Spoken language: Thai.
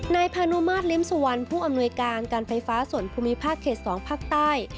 นายพานุมาตรลิ้มสุวรรณผู้อำนวยการการไฟฟ้าส่วนภูมิภาคเขต๒ภาคใต้